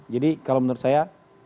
jadi kalau menurut saya